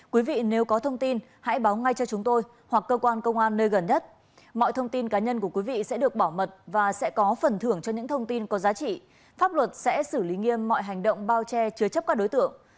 quý vị nếu có thông tin hãy báo ngay cho chúng tôi hoặc cơ quan công an nơi gần nhất mọi thông tin cá nhân của quý vị sẽ được bảo mật và sẽ có phần thưởng cho những thông tin có giá trị pháp luật sẽ xử lý nghiêm mọi hành động bao che chứa chấp các đối tượng